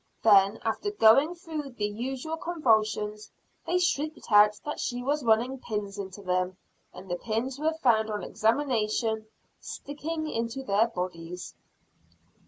Then, after going through the usual convulsions, they shrieked out that she was running pins into them; and the pins were found on examination sticking into their bodies.